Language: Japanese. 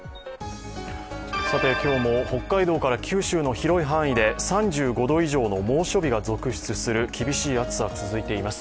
今日も北海道から九州の広い範囲で３５度以上の猛暑日が続出する厳しい暑さが続いています。